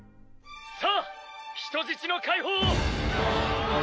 さあ人質の解放を！